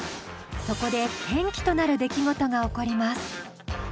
そこで転機となる出来事が起こります。